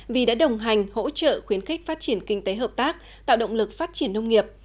vì đã đồng hành hỗ trợ khuyến khích phát triển kinh tế hợp tác tạo động lực phát triển nông nghiệp